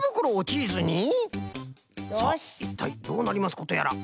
さあいったいどうなりますことやら。